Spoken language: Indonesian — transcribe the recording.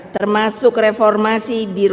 termasuk reformasi biologi